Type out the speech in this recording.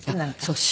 そう。